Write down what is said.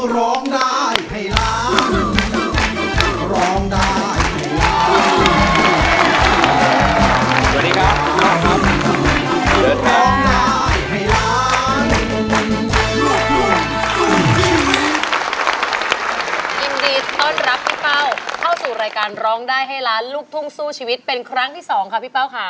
ร้องได้ให้ล้านพี่เป้าเข้าสู่รายการร้องได้ให้ล้านลูกทุ่งสู้ชีวิตเป็นครั้งที่สองค่ะพี่เป้าค่ะ